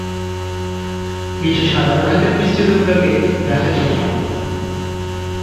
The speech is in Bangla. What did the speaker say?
কিছু সাধারণ আকার বিস্তৃত বিভাগে রাখা যেতে পারে।